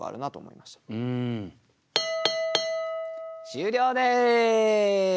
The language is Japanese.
終了です。